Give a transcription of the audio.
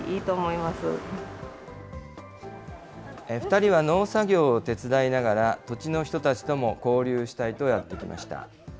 ２人は農作業を手伝いながら、土地の人たちとも交流したいとやって来ました。